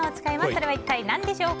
それは一体何でしょう？